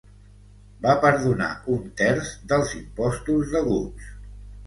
Va perdonar un terç dels impostos deguts.